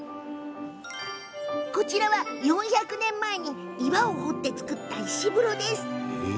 こちらは、４００年前に岩を掘って造った石風呂。